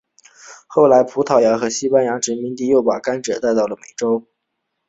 后来葡萄牙和西班牙殖民者又把甘蔗带到了美洲。